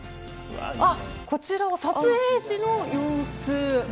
こちらは撮影時の様子。